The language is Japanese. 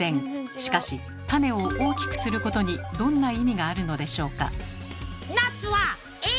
しかし種を大きくすることにどんな意味があるのでしょうか？